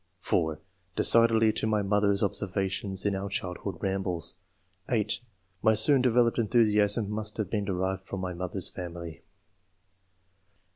(4) Decidedly to my mother's observations in our childhood ramblea (8) Sly soon developed enthusiasm must have been derived from my mother's fiamUy.